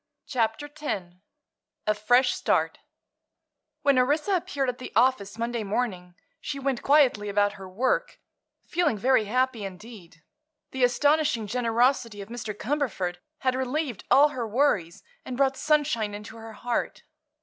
CHAPTER X A FRESH START When Orissa appeared at the office Monday morning she went quietly about her work, feeling very happy indeed. The astonishing generosity of Mr. Cumberford had relieved all her worries and brought sunshine into her heart.